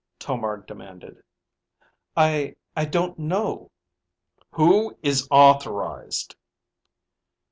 Tomar demanded. "I ... I don't know." "Who is authorized?"